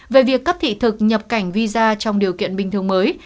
về việc cấp thị thực nhập cảnh visa trong điều kiện bình thường mới